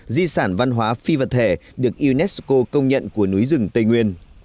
di sản văn hóa phi vật thể được unesco công nhận của núi rừng tây nguyên